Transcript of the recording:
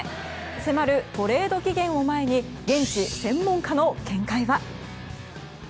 迫るトレード期限を前に現地専門家の見解は。